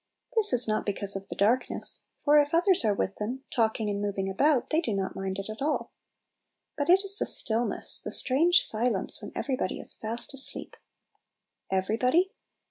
This is not because of 20 Little Pillows. the darkness; for if others are with them, talking and moving about, they do not mind it at all. But it is the still ness, the strange silence when every body is fast asleep. Every body?